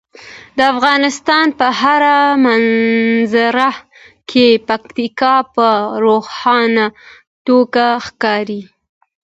د افغانستان په هره منظره کې پکتیکا په روښانه توګه ښکاري.